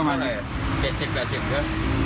มันเบรกไม่ได้ไหมไง